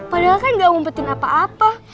padahal kan gak ngumpetin apa apa